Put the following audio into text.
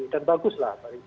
dan bagus lah